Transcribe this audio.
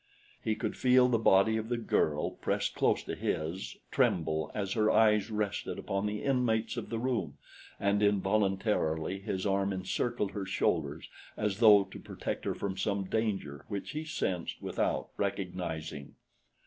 He could feel the body of the girl pressed close to his tremble as her eyes rested upon the inmates of the room, and involuntarily his arm encircled her shoulders as though to protect her from some danger which he sensed without recognizing.